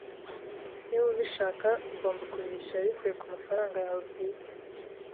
Niba ubishaka, ugomba kubyishyura bivuye kumafaranga yawe bwite